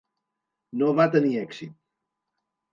No va tenir èxit.